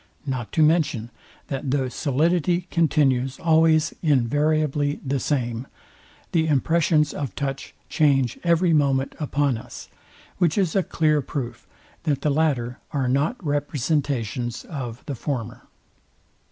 Not to mention, that though solidity continues always invariably the same, the impressions of touch change every moment upon us; which is a clear proof that the latter are not representations of the former.